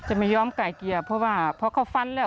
จะไม่ยอมกายเกียบเพราะว่าเพราะเขาฟันแล้ว